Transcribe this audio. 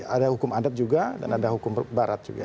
ada hukum adat juga dan ada hukum barat juga